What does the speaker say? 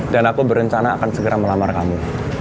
dan aku berencana akan segera melamar kamu